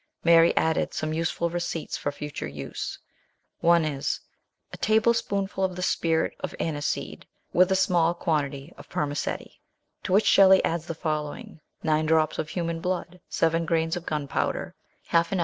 Mary added some useful receipts for future use. One is :" A tablespoonf ul of the spirit of aniseed, with a small quantity of spermaceti; " to which Shelley adds tiie following :" 9 drops of BIRTH OF A CHILD. 91 human blood, 7 grains of gunpowder, oz.